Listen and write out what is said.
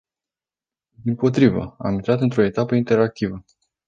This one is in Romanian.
Dimpotrivă, am intrat într-o etapă interactivă.